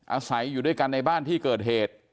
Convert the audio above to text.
อาศัยอยู่ด้วยกันในบ้านที่เกิดเหตุ